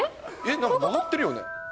曲がってるよね？